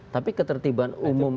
tapi ketertiban umum